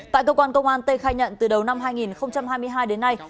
tại cơ quan công an tê khai nhận từ đầu năm hai nghìn hai mươi hai đến nay